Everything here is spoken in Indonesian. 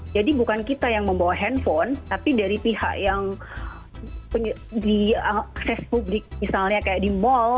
jadi bukan kita yang membawa handphone tapi dari pihak yang diakses publik misalnya kayak di mall